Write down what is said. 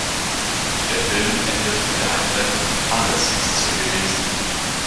Der Film endet mit der Einblendung „Alles ist so gewesen.